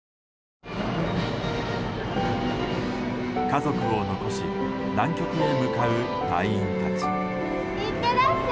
家族を残し南極へ向かう、隊員たち。